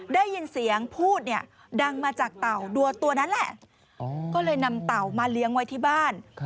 ได้ยินเสียงพูดเนี่ยดังมาจากเต่าตัวนั้นแหละก็เลยนำเต่ามาเลี้ยงไว้ที่บ้าน